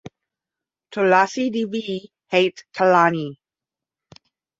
Tulasi Devi hates Kalyani.